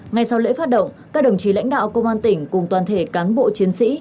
ngay sau lễ phát động các đồng chí lãnh đạo công an tỉnh cùng toàn thể cán bộ chiến sĩ